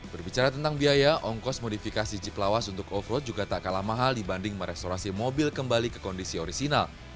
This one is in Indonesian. berbicara tentang biaya ongkos modifikasi jeep lawas untuk off road juga tak kalah mahal dibanding merestorasi mobil kembali ke kondisi orisinal